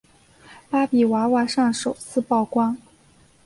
芭比娃娃上首次曝光。